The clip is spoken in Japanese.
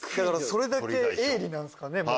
それだけ鋭利なんすかね。